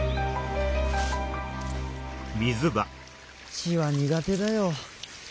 血は苦手だよ。